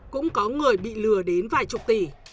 cũng có người bị lừa đến vài chục tỷ